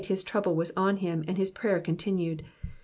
Di^hf his trouble was on him and his prayer continued.